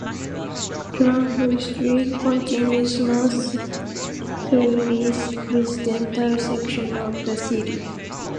Trumbull Street continues north through this residential section of the city.